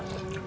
petus gua ya